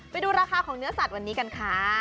ไปดูราคาของเนื้อสัตว์วันนี้กันค่ะ